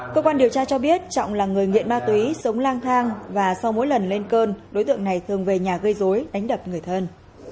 cơ quan điều tra cho biết trọng là người nghiện ma túy sống lang thang và sau mỗi lần lên cơn đối tượng này thường về nhà gây dối đánh đập người thân